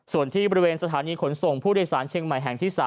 ส่วนที่บริเวณสถานีขนส่งผู้โดยสารเชียงใหม่แห่งที่๓